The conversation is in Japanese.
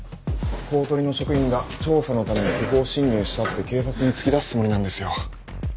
公取の職員が調査のために不法侵入したって警察に突き出すつもりなんですよ。